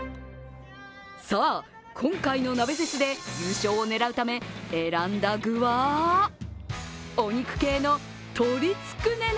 さぁ、今回の鍋フェスで優勝を狙うため選んだ具は、お肉系の鶏つくね鍋。